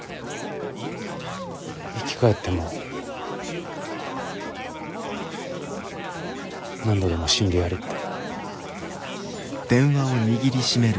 生き返っても何度でも死んでやるって。